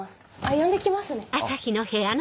呼んできますね。